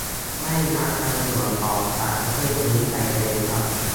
ไม่รักในหลวง ออกจากประเทศนี้ไปเลยครับ